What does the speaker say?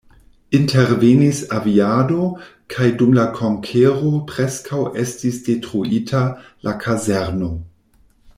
Intervenis aviado kaj dum la konkero preskaŭ estis detruita la kazerno.